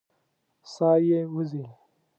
ساه یې وځي.